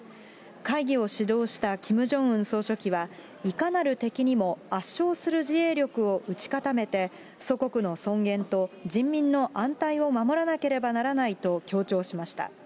会議を指導したキム・ジョンウン総書記は、いかなる敵にも圧勝する自衛力を打ち固めて、祖国の尊厳と人民の安泰を守らなければならないと強調しました。